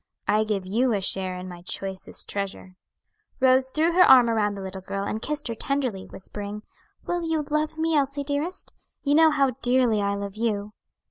I give you a share in my choicest treasure." Rose threw her arm around the little girl and kissed her tenderly, whispering: "Will you love me, Elsie, dearest? you know how dearly I love you."